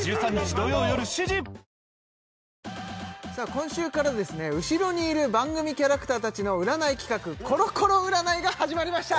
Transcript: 今週から後ろにいる番組キャラクターたちの占い企画コロコロ占いが始まりました！